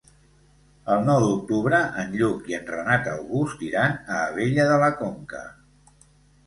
El nou d'octubre en Lluc i en Renat August iran a Abella de la Conca.